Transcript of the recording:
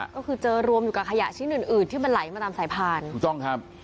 ก็คือเจอรวมอยู่กับขยะชิ้นอื่นอื่นที่มันไหลมาตามสายพานถูกต้องครับ